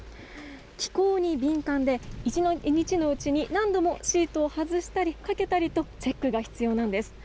気候に敏感で、１日のうちに何度もシートを外したりかけたりと、チェックが必要なんです。